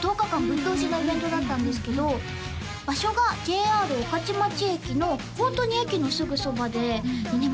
ぶっ通しのイベントだったんですけど場所がＪＲ御徒町駅のホントに駅のすぐそばででね